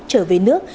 trở về nước